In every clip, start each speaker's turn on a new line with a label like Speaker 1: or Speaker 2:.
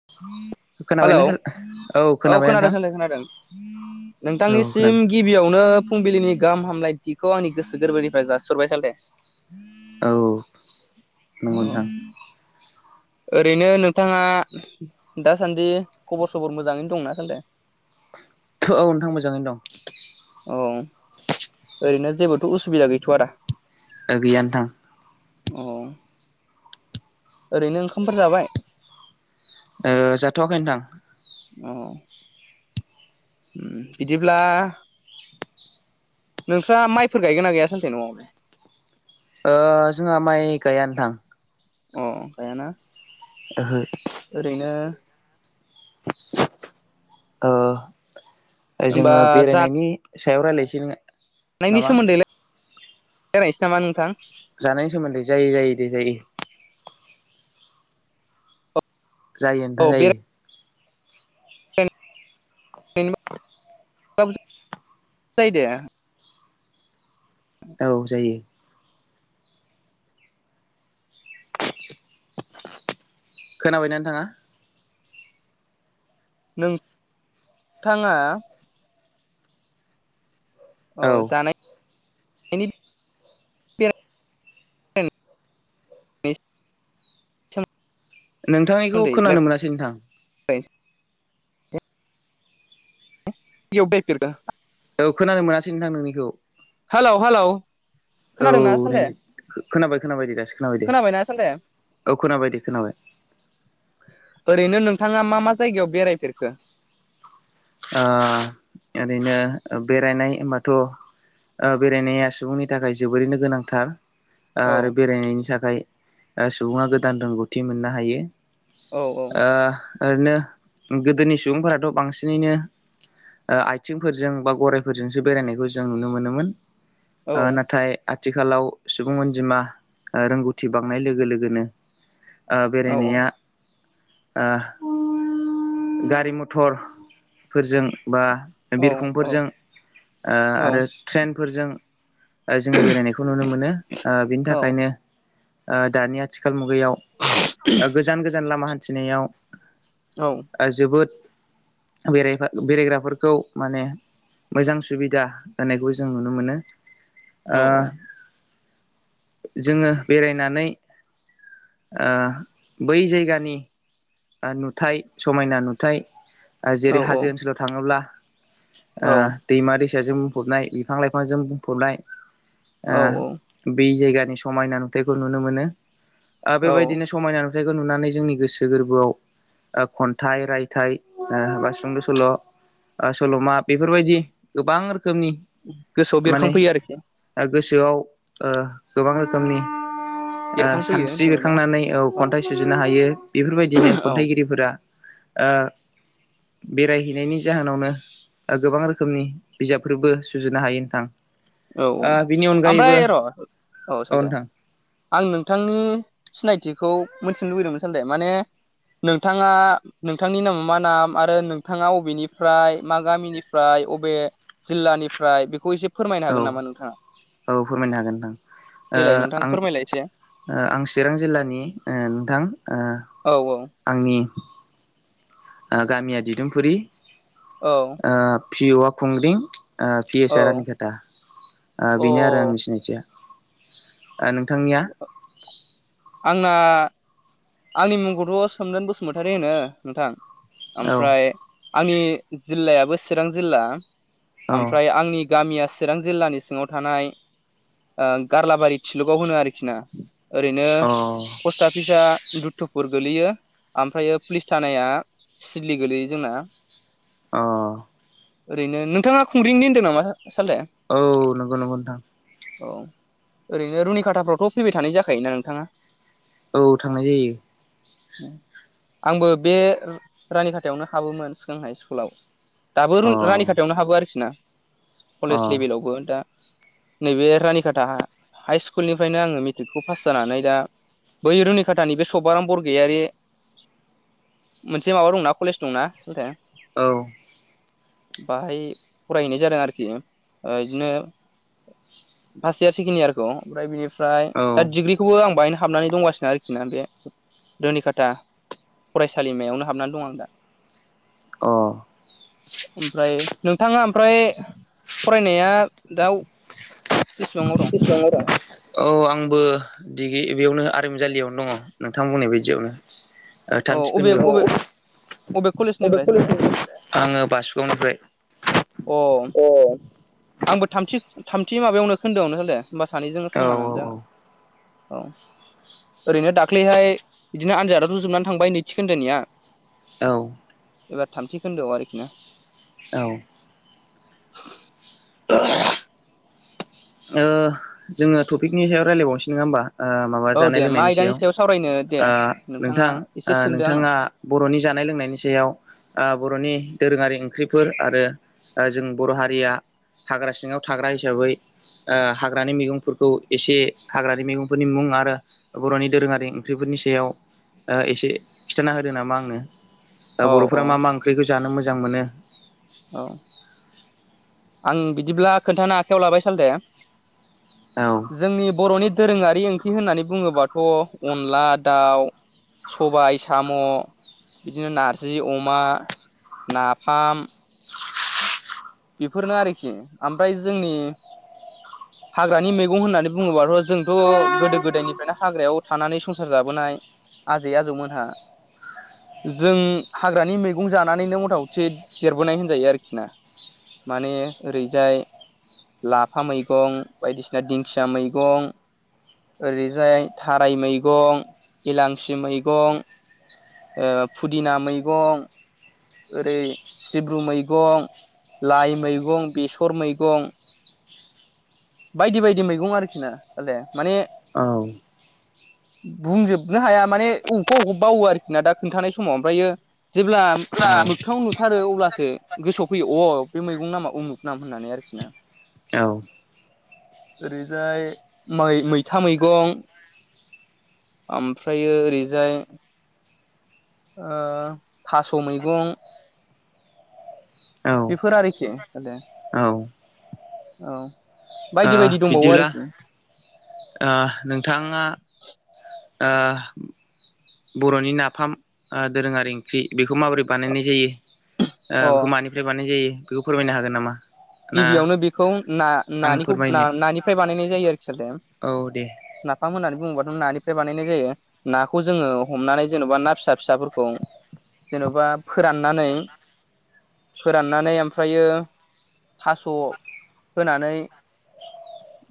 Speaker 1: [inaudible] Hello
Speaker 2: खोनाबायना sir
Speaker 1: औ
Speaker 2: खोनाबाय
Speaker 1: खोनादों
Speaker 2: नोंथां
Speaker 1: सोंलै खोनादों
Speaker 2: औ
Speaker 1: नोंथांनिसिम
Speaker 2: खोनादों
Speaker 1: गिबियावनो फुंबिलिनि गाहाम हामलायथिखौ आंनि गोसो गोरबोनिफ्राय जासरबाय सान दे
Speaker 2: औ नंगौदां
Speaker 1: ओरैनो नोंथाङा दासान्दि खबर सबर मोजाङैनो दंना सान्दे
Speaker 2: थ औ नोंथां मोजाङैनो दं
Speaker 1: अ ओरैनो जेबोथ' उसुबिदा गैथ' आरोा
Speaker 2: गैयानोथां
Speaker 1: औ ओरैनो ओंखामफोर जाबाय?
Speaker 2: जाथ'वाखै नथां
Speaker 1: औ बिदिब्ला नोंस्रा माइफोर गायगोना गैया सानथायै न'आवनो
Speaker 2: जोंहा माइ गाया नथां
Speaker 1: अ ओंखायाना
Speaker 2: ओहो
Speaker 1: ओरैनो होनबा
Speaker 2: जोङो बेरायनायनि सायाव रायज्लायनोसै ननोङो
Speaker 1: थानायनि सोमोन्दै रायरायायनोसै नामा नोंथां
Speaker 2: जानायनि सोमोन्दै जायो जायो दे जायो जायो
Speaker 1: औ
Speaker 2: नोंथां जायो
Speaker 1: जायो दे
Speaker 2: औाव जायो खोनाबायनानै थाङा
Speaker 1: नोंथाङा औ जानाय [inaudible]
Speaker 2: नोंथांनिखौ
Speaker 1: सोमोन्दै
Speaker 2: खोनानो मोनासै नोंथां
Speaker 1: रायलायनोसै इायफेरग
Speaker 2: औ खोनानो मोनासै नोंथां नोंनिखौ
Speaker 1: हेलौ हेलौ
Speaker 2: औ
Speaker 1: खोनादोंना
Speaker 2: नै
Speaker 1: सालथे
Speaker 2: खोनाबाय खोनाबाय दे दासो खोनाबाय दे
Speaker 1: खोनाबायना सालथे
Speaker 2: औ खोनाबाय दे खोनाबाय
Speaker 1: ओरैनो नोंथाङा मा मा जायगायाव बेरायफेरखो
Speaker 2: ओरैनो बेरायनाय हबाथ' बेरायनाया सुबुंनि थाखाय जोबोरैनो गोनांथार
Speaker 1: औ
Speaker 2: आरो बेरायनायनि थाखाय सुबुङा गोदान रोंगौथि मोननो हायो
Speaker 1: औ
Speaker 2: ओरैनो गोदोनि सुबुंफोराथ' बांसिन बिननो आथिंफोरजों बा गरायफोरजोंसो बेरायनायखौ जों नुनो मोनोमोन
Speaker 1: औ
Speaker 2: नाथाय आथिखालाव सुबुं अनजिमा रोंगौथि बांनाय लोगो लोगोनो
Speaker 1: औ
Speaker 2: बेरायनाया गारि मथर फोरजों बा
Speaker 1: औ औ
Speaker 2: बिरखंफोरजों आरो ट्रेनफोरजों जोङो बेरायनायखौ नुनो मोनो बिनि
Speaker 1: औ
Speaker 2: थाखायनो दानि आथिखाल मुगायाव गोजान गोजान लामा हान्थिनायाव
Speaker 1: औ
Speaker 2: जोबोद बेराय बेरायग्राफोरखौ माने मोजां सुबिदा होनानायखौ जों नुनो मोनो
Speaker 1: औ
Speaker 2: जोङो बेरायनानै बै जायगानि नुथाय समायना नुथाय
Speaker 1: औ
Speaker 2: जेरै हाजो ओनसोलाव थाङोब्ला आ
Speaker 1: औ
Speaker 2: दैमा दैसाजों बुंफबनाय बिफां लाइफांजों बुंफबनाय आ
Speaker 1: औ
Speaker 2: बि जायगानि समायना नुथायखौ नुनो मोनो आ
Speaker 1: औ
Speaker 2: बेबायदिनो समायना नुथायखौ नुनानै जोंनि गोसो गोर्बो बोयाव आ खन्थाइ रायथाइ आ बा सुंद' सल' ओ सल'मा बेफोरबायदि गोबां रोखोमनि
Speaker 1: गोसोआव
Speaker 2: माने
Speaker 1: बेरखांफैयो आरोखि
Speaker 2: ओ गोसोआव ओ गोबां रोखोमनि आ
Speaker 1: बेरखांफैयो
Speaker 2: सानस्रि
Speaker 1: जेन'बा
Speaker 2: बेरखांनानै औ खन्थाइ सुजुनो हायो बेफोरबायदिनो
Speaker 1: औ
Speaker 2: खन्थाइगि गिरिफोरा आ बेरायहैनायनि जाहोनावनो आ गोबां रोखोमनि बिजाबफोरबो सुजुनो हायो नोंथां
Speaker 1: औ औ
Speaker 2: ओ बिनि अनगायैबो
Speaker 1: आमफ्राय र
Speaker 2: औ
Speaker 1: औ सालथे
Speaker 2: नोंथां
Speaker 1: आं नोंथांनि सिनायथिखौ मोनथिनो लुबैदोंमोन सालथे माने नोंथाङा नोंथांनि नामा मा नाम आरो नोंथाङा अबेनिफ्राय मा गामिनि फ्राय अबे जिल्लानिफ्राय बेखौ एसे फोरमाय
Speaker 2: औ औ फोरमायनो हागोन नोंथां ओ
Speaker 1: देलाय नोंथां
Speaker 2: आं
Speaker 1: फोरमायलाय एसे
Speaker 2: ओ आं चिरां जिल्लानि ओ नोंथां ओ
Speaker 1: औ औ
Speaker 2: आंनि ओ गामिया दिदोमफुरि
Speaker 1: औ
Speaker 2: ओ पिउआ खुंग्रिं ओ पि एस आ रानि खाथ था आ
Speaker 1: औ
Speaker 2: बेनो आरो
Speaker 1: अ
Speaker 2: आंनि सिनायथिया आ नोंथांनिया
Speaker 1: आंना आंनि मुंखौथ' सोमदोन बसुमतारि होनो नोंथां
Speaker 2: औ
Speaker 1: ओमफ्राय आंनि जिल्लायाबो चिरां जिल्ला
Speaker 2: औ
Speaker 1: आमफ्राय आंनि गामिया चिरां जिल्लानि सिङाव थानाय ओ गारलाबारि थिलुगाव होनो आरोखि ना ओरैनो
Speaker 2: अ
Speaker 1: पस्टा फिसा दुत्तुपुर गोलैयो ओमफ्र पुलिस थानाया सिदलि गोलैयो जोंना
Speaker 2: अ
Speaker 1: ओरैनो नोंथाङा खुंग्रिंनि होन्दो नामा सालथे
Speaker 2: औ नंगौ नंगौ नोंथां
Speaker 1: औ ओरैनो रुनिकाटाफ्रावथ' फैबाय थानाय जाखायोना नोंथाङा
Speaker 2: औ थांनाय जायो।
Speaker 1: ओं आंबो बे रानि खाथायावनो हाबोमोन सिगांहाय स्कुलाव दाबो
Speaker 2: अ
Speaker 1: रुनि रानि खाथियावनो हाबो आरोखि ना
Speaker 2: अ
Speaker 1: कलेज लेबेलावबो दा नैबे रानिकाटा हाइस्कुलनिफ्रायनो आङो मेट्रिकखौ पास जानानै दा बै रुनिकाट टानि बे सभाराम बरगयारि मोनसे माबा दंना कलेज दंना सालथे
Speaker 2: औ
Speaker 1: बाहाय फरायहैनाय जादों आरोखि ओ इदिनो फार्स्ट इयार सेकेण्ड इयारखौ ओमफ्राय बेनिफ्राय
Speaker 2: औ
Speaker 1: दा डिग्रिखौबो आं बाहायनो हाबनानै दंगासिनो आरोखि ना बे रुनिकाटा फरायसालिमायावनो हाबनानै दं आं दा
Speaker 2: अ
Speaker 1: ओमफ्राय नोंथाङा ओमफ्राय फरायनाया दाव बिसेबांआव दं
Speaker 2: बेसेबाङाव दं?
Speaker 1: दा
Speaker 2: औ आंबो डिग्रि बेयाव नो आरोमजालियावनो दङ नोंथां बुंनाय बायदियावनो
Speaker 1: अ
Speaker 2: थांमथि
Speaker 1: अबे अबे अबे
Speaker 2: खोन्दोयाव बे
Speaker 1: कलेजनिफ्राय साले
Speaker 2: कलेज आङो बासुगावनिफ्राय
Speaker 1: अ
Speaker 2: औ
Speaker 1: आंबो थामथि थामथि माबायावनो खोन्दों होन्दो होमबा सानैजों
Speaker 2: औ
Speaker 1: समानो जागोन। औ ओरैनो दाख्लैहाय बिदिनो आनजादा जोबनानै थांबाय नैथि खोन्दोनिया
Speaker 2: औ
Speaker 1: एबार थामथि खोन्दोआव आरोखि ना
Speaker 2: औ
Speaker 1: [unintelligible]
Speaker 2: ओ। जो टपिकनि सायाव रायलायबावसै नोंआ होमबा? ओ माबा
Speaker 1: औ
Speaker 2: जानाय
Speaker 1: दे मा
Speaker 2: लोंनायनि
Speaker 1: आयदानि
Speaker 2: सायाव
Speaker 1: सावरायनो दे
Speaker 2: ओ
Speaker 1: नोंथाङा
Speaker 2: नोंथां
Speaker 1: एसे
Speaker 2: ओ
Speaker 1: सोंदो आंनाव
Speaker 2: नोंथाङा बर'नि जानाय लोंनायनि सायाव ओ बर'नि दोरोङारि ओंख्रिफोर आरो जों बर' हारिया हाग्रा सिङाव थाग्रा हिसाबै ओ हाग्रानि मैगंफोरखौ एसे हाग्रानि मैगंफोरनि मुं आरो बर'नि दोरोङारि ओंख्रिफोरनि सायाव एसे खिन्थाना होदो नामा आंनो दा
Speaker 1: औ
Speaker 2: बर'फोरा
Speaker 1: औ
Speaker 2: मा मा ओंख्रिखौ जानो मोजां मोनो
Speaker 1: औ। आं बिदिब्ला खोन्थानो आखायाव लाबाय साल थे।
Speaker 2: औ।
Speaker 1: जोंनि बर'नि दोरोङारि ओंख्रि होननानै बुङोबाथ' अनला दाउ सबाय साम' बिदिनो नारजि अमा नाफाम बेफोरनो आरोखि ओमफ्राय जोंनि हाग्रानि मैगं होननानै बुङोबाथ' जोंथ' गोदो गोदायनिफ्रायनो हाग्रायाव थानानै संसार जाबोनाय आजै आजौमोनहा जों हाग्रानि मैगं जानानैनो मथा मथि देरबोनाय होनजायो आरोखि ना? माने ओरैजाय लाफा मैगं बायदिसिना दिंखिया मैगं ओरैजाय थाराय मैगं गिलांसि मैगं। फुदिना मैगं ओरै सिब्रु मैगं लाइ मैगं बेसर मैगं। बायदि बायदि मैगं आरोखि ना साल थे माने
Speaker 2: औ
Speaker 1: बुंजोबनो हाया माने अबेखौबा अबेखौ बावो आरोखि ना दा खोनन्थानाय समाव ओमफ्रायो जेब्ला
Speaker 2: औ
Speaker 1: मोगथाङाव नुथारो अब्लासो गोसोआव फैयो अ बे मैगं नामा उमुख नाम होननानै आरोखि ना
Speaker 2: औ।
Speaker 1: ओरैजाय मै मैथा मैगं। ओमफ्रायो ओरैजाय ओ थास' मैगं।
Speaker 2: औ
Speaker 1: बेफोर आरोखि।
Speaker 2: औ।
Speaker 1: औ। बायदि बायदि दंबावो
Speaker 2: बिदिब्ला
Speaker 1: आरोखि
Speaker 2: ओ नोंथाङा ओ बर'नि नाफाम दोरोङारि ओंख्रि बेखौ माबोरै बानायनाय जायो?
Speaker 1: अ
Speaker 2: बेखौ मानिफ्राय बानाय जायो बेखौ फोरमायनो हागोन नामा? ना
Speaker 1: गिबियावनो बेखौ ना
Speaker 2: आं
Speaker 1: नानिखौ
Speaker 2: फोरमायनो
Speaker 1: नानिफ्राय बानायनाय जायो आरोखि सालथे
Speaker 2: औ दे
Speaker 1: नाफाम होननानै बुङोबाथ नों नानिफ्राय बानायनाय जायो। नाखौ जोङो हमनानै जेन'बा ना फिसा फिसाफोरखौ जेन'बा फोराननानै फोराननानै ओमफ्रायो थास' होनानै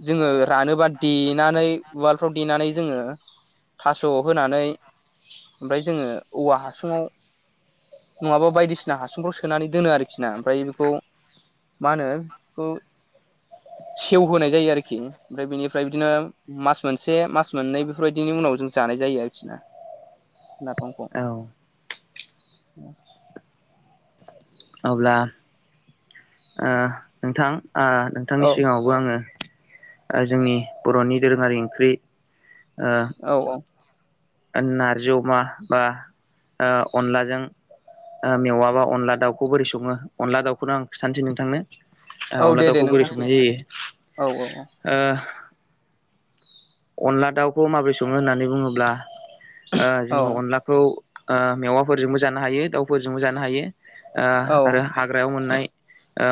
Speaker 1: जोङो रानोबा देनानै उवालफ्राव देनानै जोङो थास' होनानै ओमफ्राय जोङो औवा हासुङाव नङाबा बायदिसिना हासुंफ्राव सोनानै दोनो आरोखि ना ओमफ्राय बेखौ मा होनो बेखौ सेव होनाय जायो आरोखि ओमफ्राय बेनिफ्राय बिदिनो मास मोनसे मास मोननै बेफोरबायदिनि उनाव जों जानाय जायो आरोखि ना। नाफंखौ।
Speaker 2: औ अब्ला ओ नोंथां ओ नोंथांनि
Speaker 1: औ
Speaker 2: सिगाङाव बेबो आङो जोंनि बर'नि दोरोङारि ओंख्रि ओ
Speaker 1: औ औ।
Speaker 2: नार्जि अमा बा अनलाजों। मेवाबा अनला दाउखौ बोरै सङो अनला दाउखौनो आं खिथानोसै नोंथांनो।
Speaker 1: औ
Speaker 2: अनाला
Speaker 1: दे
Speaker 2: दाव
Speaker 1: दे
Speaker 2: खौ बोरै
Speaker 1: नोंथां
Speaker 2: संनाय जायो
Speaker 1: गोजोननाय थाबाय। औ
Speaker 2: ओ। अनला दाउखौ माबोरै सङो होननानै बुङोब्ला ओ
Speaker 1: औ
Speaker 2: जोङो अनला। खौ मेवाफोरजोंबो जानो हायो दाउफोरजोंबो जानो हायो
Speaker 1: औ
Speaker 2: आरो। हाग्रायाव मोननाय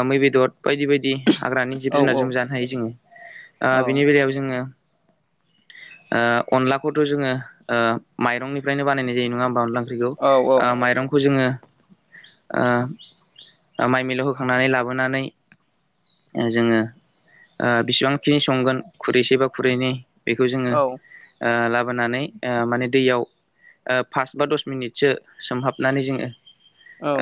Speaker 2: मै बेदर बायदि बायदि। हाग्रानि जिब
Speaker 1: औ
Speaker 2: जुनार जों जानो हायो जोङो ओ
Speaker 1: औ
Speaker 2: बिनि बेलायाव जोङो। ओ अनलाखौथ' जोङो ओ माइरंनिफ्रायनो बानायनाय जायो नङा होमबा अनलां।
Speaker 1: औ
Speaker 2: मिथिगै माइरंखौ जोङो। ओ माइ मिलौ होखांनानै लाबोनानै। जोङो ओ बिसिबांखिनि संगोन खुरैसे बा खुरैनै। बेखौ जोङो
Speaker 1: औ
Speaker 2: ओ लाबोनानै ओ माने दैयाव। ओ पास बा दस मिनिटसो सोमहाबनानै जोङोओ
Speaker 1: औ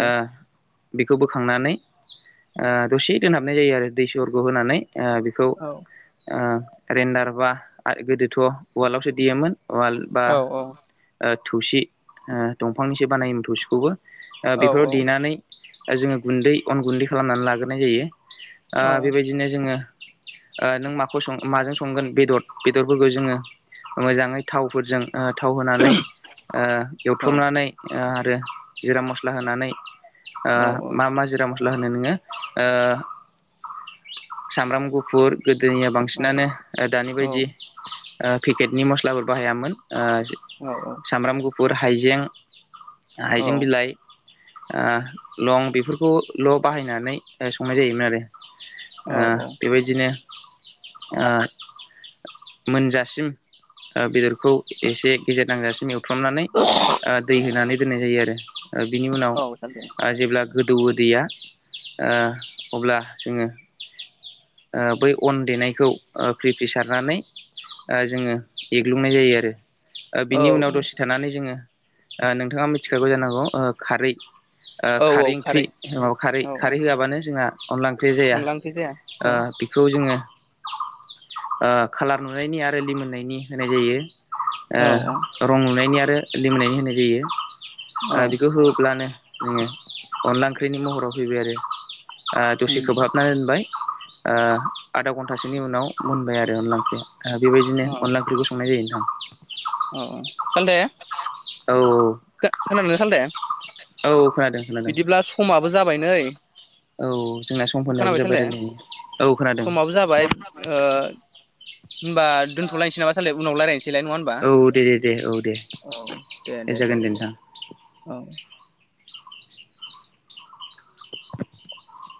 Speaker 2: बेखौ बोखांनानै ओ दसे दोनहाबनाय जायो आरो दै सरखौ होनानै ओ। खौ ओ
Speaker 1: औ
Speaker 2: रेन्डार बा गोदोथ' ववालावसो देयोमोन वाल। बा
Speaker 1: औ
Speaker 2: ओ थौसि ओ दंफांनिसो बानायोमोन थौसिखौबो। ओ बेफोराव देनानै जोङो गुन्दै अन गुन्दै खालामनानै लाग्रोनाय जायो ओ
Speaker 1: औ
Speaker 2: बेबायदिनो जोङो ओ नों माखौ माजों संगोन बेदर। बेदरफोरखौ जोङो मोजाङै। थावफोरजों ओ थाव होनानै ओ
Speaker 1: औ
Speaker 2: एवथुमनानै। ओ आरो जिरा मस्ला होनानै ओ मा मा जिरा मस। होनो नोङोओ सामब्राम गुफुर। गोदोनिया बांसिनानो ओ दानि बायदि। ओ पेकेटनि मस्लाफोर बाहायामोन ओ।
Speaker 1: औ औ।
Speaker 2: सामब्राम गुफुर हाइजें हाइजें बिलाइ। ओ लं बेफोरखौल' बाहायनानै संनाय जायोमोन आरो। ओ
Speaker 1: औ औ
Speaker 2: बेबायदिनो‌ ओ मोनजासिम बेदरखौ एसे गेजेर नांजासिम ए एउफ्र्रमनानै ओ दै होनानै दोननाय जायो आरो बिनि उनाव
Speaker 1: औ जागोन दे।
Speaker 2: जेब्ला। गोदौवदैया ओ अब्ला जोङो। ओ बै अन देनायखौ क्रि फेसार। सारनानै जोङो एग्लुंनाय जायो आरो
Speaker 1: औ
Speaker 2: बिनि उनाव दसे। थानानै जोङो ओ नोंथाङा मिथिखाबौ जानांगौ ओ खारै। ओ
Speaker 1: औ
Speaker 2: खारै
Speaker 1: औ
Speaker 2: ओंख्रि खारै
Speaker 1: औ
Speaker 2: खारै
Speaker 1: औ
Speaker 2: होआबानो जोंहा। अनला ओंख्रि जाया
Speaker 1: अनला ओंख्रि जाया
Speaker 2: ओ
Speaker 1: औ
Speaker 2: बेखौ जोङो। ओ खालार नुनायनि आरो लिमोननायनि होनाय जायो ओ।
Speaker 1: औ
Speaker 2: रं लुनायनि आरो लिमोनायनि होनाय जायो ओ
Speaker 1: औ
Speaker 2: बेखौ होब्लानो। नोङो अनला ओंख्रिनि महराव फैबाय आरो दसे खोबहाबना दोनबाय। ओ आधा घन्टासोनि उनाव मोनबाय आरो अनला ओंख्रिया बेबायदिनो अनला ओंख्रिखौ सं संनाय जायो नोंथां
Speaker 1: औ साल दे।
Speaker 2: औ औ।
Speaker 1: खोना दोंना सालते।
Speaker 2: औ खोनादों। खोनादों
Speaker 1: बिदिब्ला समाबो जाबाय नै।
Speaker 2: औ जोंना समफोरनियाबो
Speaker 1: खोनाबाय सान
Speaker 2: जाबाय
Speaker 1: दे
Speaker 2: रायलायनाया औ खोनादों
Speaker 1: समाबो जाबाय ओ। होमबा दोनथ'लायनोसै नामा सालाय उनाव रायजलायनोसैलाय नङा हबा।
Speaker 2: औ दे दे दे औ दे
Speaker 1: औ दे दे साल दे औ।